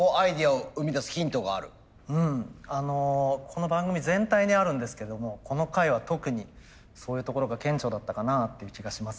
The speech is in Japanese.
この番組全体にあるんですけどもこの回は特にそういうところが顕著だったかなっていう気がしますね。